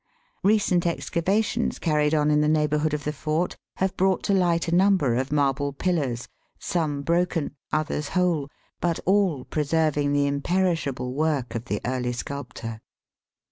Kecent excavations carried on in the neigh bourhood of the fort have brought to light a number of marble pillars, some broken, others whole, but all preserving the imperish able work of the early sculptor.